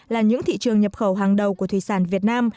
là những thị trường nhập khẩu hàng đầu của thủy sản việt nam